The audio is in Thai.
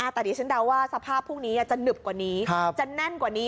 แต่ดิฉันเดาว่าสภาพพรุ่งนี้จะหนึบกว่านี้จะแน่นกว่านี้